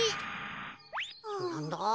なんだ？